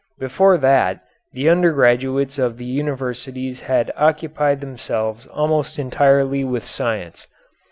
Before that the undergraduates of the universities had occupied themselves almost entirely with science.